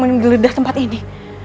menggeledah tempat ini